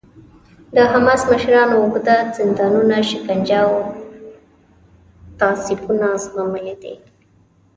د حماس مشرانو اوږده زندانونه، شکنجه او تعذیبونه زغملي دي.